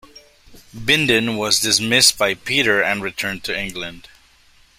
Bindon was dismissed by Peter and returned to England.